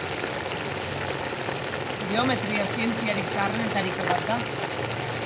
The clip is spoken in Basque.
Geometria zientziarik zaharrenetariko bat da.